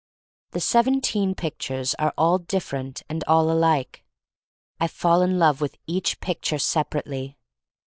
The seventeen pictures are all different and all alike. I fall in love with each picture separately.